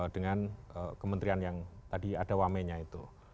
dengan kementerian yang tadi ada wamennya itu